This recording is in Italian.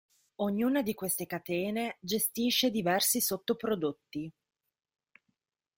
Ognuna di queste catene gestisce diversi sottoprodotti.